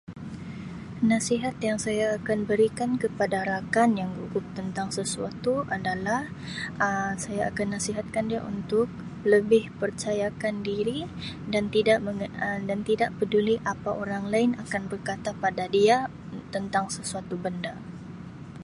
Nasihat yang saya akan berikan kepada rakan yang gugup tentang sesuatu adalah Um saya akan nasihatkan dia untuk lebih percayakan diri dan tidak [unintelligible] Um, dan tidak peduli apa orang lain akan berkata pada dia tentang sesuatu benda.